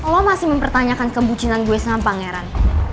lo masih mempertanyakan kembucinan gue sama pangeran